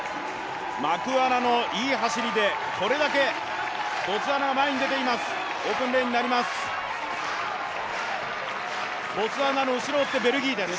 マクワラのいい走りで、これだけボツワナが前に出ています。